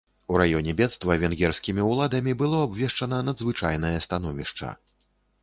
У раёне бедства венгерскімі ўладамі было абвешчана надзвычайнае становішча.